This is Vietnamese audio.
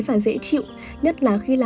mình đành vui